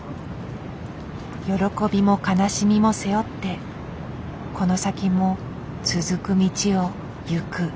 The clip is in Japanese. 喜びも悲しみも背負ってこの先も続く道を行く。